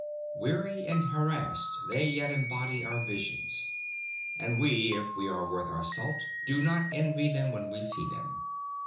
Weary and harassed, they yet embody our visions. And we, if we are worth our salt, do not envy them when we see them.